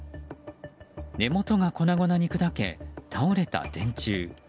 根元が粉々に砕け倒れた電柱。